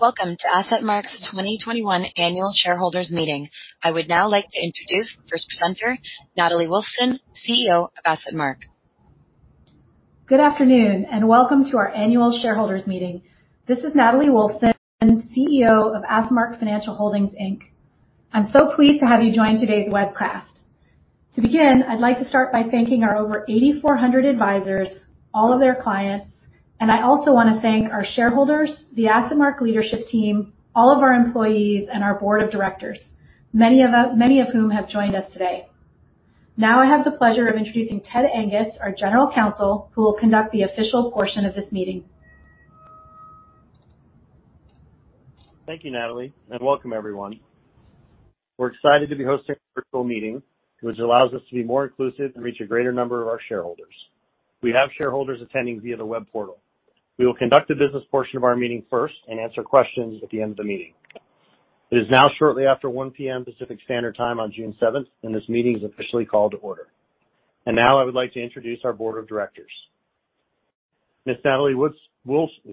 Welcome to AssetMark's 2021 Annual Shareholders Meeting. I would now like to introduce the first presenter, Natalie Wolfsen, CEO of AssetMark. Good afternoon, welcome to our annual shareholders meeting. This is Natalie Wolfsen, CEO of AssetMark Financial Holdings, Inc. I'm so pleased to have you join today's webcast. To begin, I'd like to start by thanking our over 8,400 advisors, all of their clients, and I also want to thank our shareholders, the AssetMark leadership team, all of our employees, and our board of directors, many of whom have joined us today. Now I have the pleasure of introducing Ted Angus, our general counsel, who will conduct the official portion of this meeting. Thank you, Natalie Wolfsen, and welcome everyone. We're excited to be hosting a virtual meeting, which allows us to be more inclusive and reach a greater number of our shareholders. We have shareholders attending via the web portal. We will conduct the business portion of our meeting first and answer questions at the end of the meeting. It is now shortly after 1:00 P.M. Pacific Standard Time on June 7th, and this meeting is officially called to order. Now I would like to introduce our board of directors. Ms. Natalie Wolfsen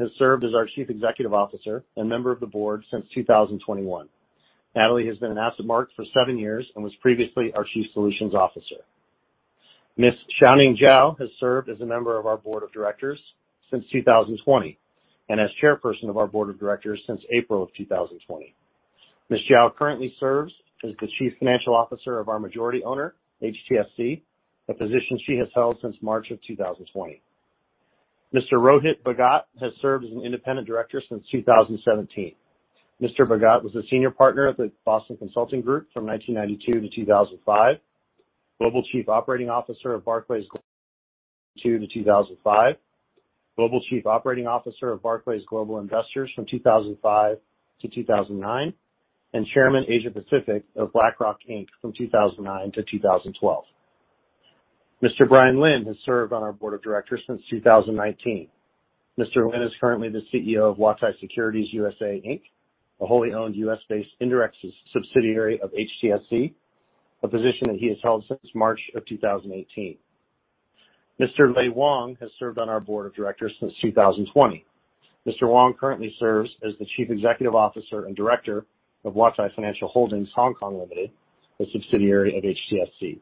has served as our Chief Executive Officer and member of the board since 2021. Natalie has been at AssetMark for seven years and was previously our Chief Solutions Officer. Ms. Xiaoning Jiao has served as a member of our board of directors since 2020, and as Chairperson of our board of directors since April of 2020. Ms. Jiao currently serves as the chief financial officer of our majority owner, HTSC, a position she has held since March 2020. Mr. Rohit Bhagat has served as an independent director since 2017. Mr. Bhagat was a senior partner at the Boston Consulting Group from 1992 to 2005, global chief operating officer of Barclays 2002 to 2005, global chief operating officer of Barclays Global Investors from 2005 to 2009, and chairman, Asia Pacific of BlackRock, Inc. from 2009 to 2012. Mr. Bryan Lin has served on our board of directors since 2019. Mr. Lin is currently the CEO of Huatai Securities U.S.A., Inc., a wholly-owned U.S.-based indirect subsidiary of HTSC, a position that he has held since March 2018. Mr. Lei Wang has served on our board of directors since 2020. Mr. Wang currently serves as the Chief Executive Officer and Director of Huatai Financial Holdings (Hong Kong) Limited, a subsidiary of HTSC.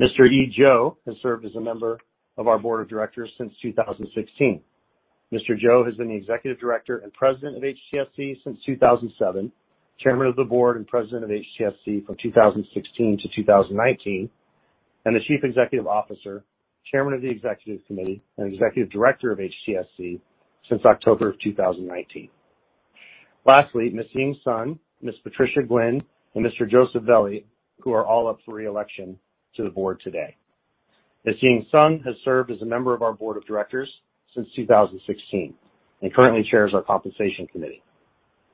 Mr. Yi Zhou has served as a member of our Board of Directors since 2016. Mr. Zhou has been the Executive Director and President of HTSC since 2007, Chairman of the Board and President of HTSC from 2016 to 2019, and the Chief Executive Officer, Chairman of the Executive Committee, and Executive Director of HTSC since October of 2019. Lastly, Ms. Ying Sun, Ms. Patricia Guinn, and Mr. Joseph Velli, who are all up for re-election to the Board today. Ms. Ying Sun has served as a member of our Board of Directors since 2016 and currently chairs our Compensation Committee.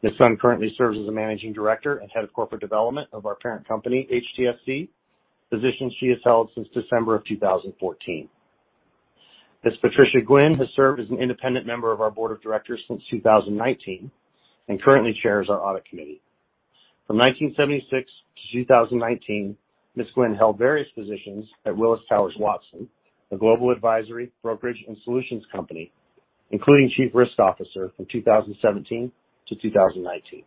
Ms. Sun currently serves as the Managing Director and Head of Corporate Development of our parent company, HTSC, a position she has held since December of 2014. Ms. Patricia Guinn has served as an independent member of our board of directors since 2019 and currently chairs our audit committee. From 1976 to 2019, Ms. Guinn held various positions at Willis Towers Watson, a global advisory, brokerage, and solutions company, including chief risk officer from 2017 to 2019.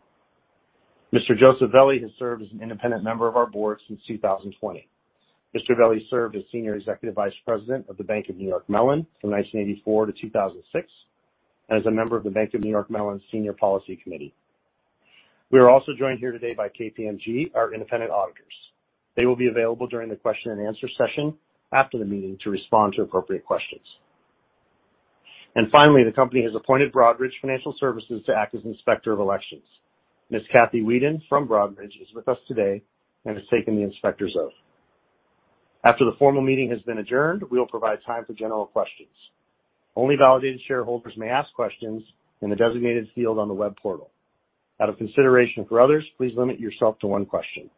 Mr. Joseph Velli has served as an independent member of our board since 2020. Mr. Velli served as senior executive vice president of The Bank of New York Mellon from 1984 to 2006 as a member of The Bank of New York Mellon Senior Policy Committee. We are also joined here today by KPMG, our independent auditors. They will be available during the question and answer session after the meeting to respond to appropriate questions. Finally, the company has appointed Broadridge Financial Solutions to act as inspector of elections. Ms. Kathy Weeden from Broadridge is with us today and has taken the inspector's oath. After the formal meeting has been adjourned, we will provide time for general questions. Only validated shareholders may ask questions in the designated field on the web portal. Out of consideration for others, please limit yourself to one question.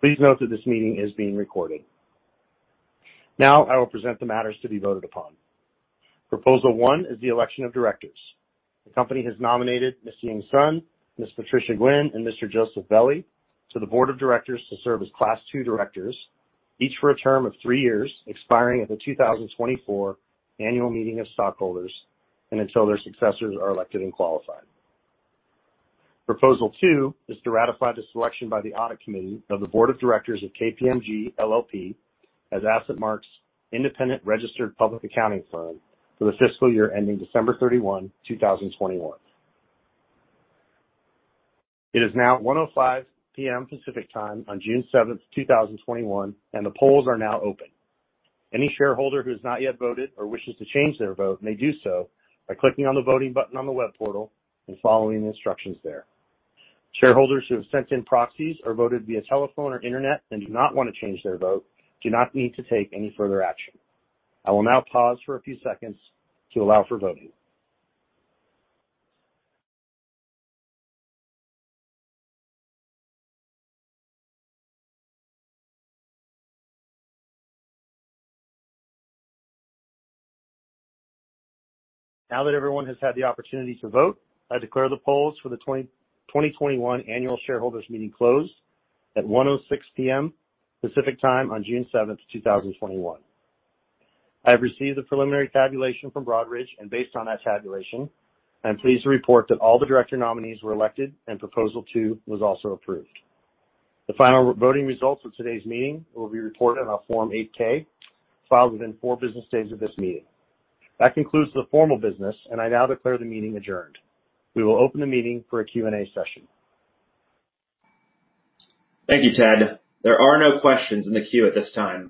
Please note that this meeting is being recorded. Now I will present the matters to be voted upon. Proposal one is the election of directors. The company has nominated Ms. Ying Sun, Ms. Patricia Guinn, and Mr. Joseph Velli to the board of directors to serve as class two directors, each for a term of three years, expiring at the 2024 annual meeting of stockholders and until their successors are elected and qualified. Proposal two is to ratify the selection by the audit committee of the board of directors of KPMG LLP as AssetMark's independent registered public accounting firm for the fiscal year ending December 31, 2021. It is now 1:05 P.M. Pacific Time on June 7th, 2021. The polls are now open. Any shareholder who has not yet voted or wishes to change their vote may do so by clicking on the voting button on the web portal and following the instructions there. Shareholders who have sent in proxies or voted via telephone or internet and do not want to change their vote do not need to take any further action. I will now pause for a few seconds to allow for voting. Now that everyone has had the opportunity to vote, I declare the polls for the 2021 annual shareholders meeting closed at 1:06 P.M. Pacific Time on June 7th, 2021. I have received the preliminary tabulation from Broadridge, and based on that tabulation, I'm pleased to report that all the director nominees were elected and proposal two was also approved. The final voting results of today's meeting will be reported on a Form 8-K filed within four business days of this meeting. That concludes the formal business, and I now declare the meeting adjourned. We will open the meeting for a Q&A session. Thank you, Ted. There are no questions in the queue at this time.